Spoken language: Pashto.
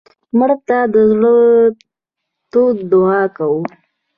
مړه ته د زړه تود دعا کوو